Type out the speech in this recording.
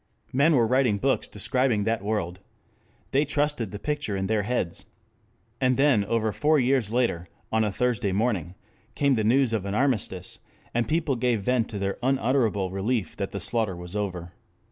Men were writing books describing that world. They trusted the picture in their heads. And then over four years later, on a Thursday morning, came the news of an armistice, and people gave vent to their unutterable relief that the slaughter was over.